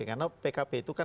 karena pkb itu kan